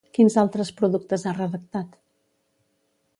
Quins altres productes ha redactat?